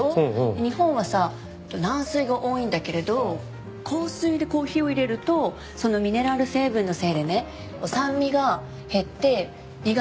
日本はさ軟水が多いんだけれど硬水でコーヒーを入れるとそのミネラル成分のせいでね酸味が減って苦みが強くなるっていわれてるの。